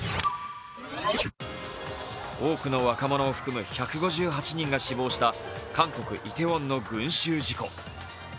多くの若者を含む１５８人が死亡した韓国・イテウォンの群集事故。